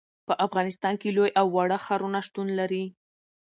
په افغانستان کې لوی او واړه ښارونه شتون لري.